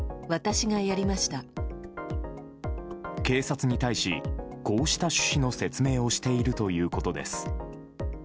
警察に対し、こうした趣旨の説明をしているということです。